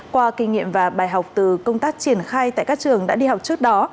qua kinh nghiệm và bài học từ công tác triển khai tại các trường đã đi học trước đó